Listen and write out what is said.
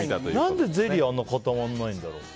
何でゼリーあんなに固まらないんだろう。